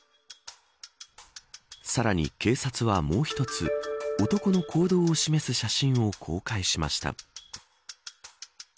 さらに警察はもう一つ男の行動を示す写真を公開しました。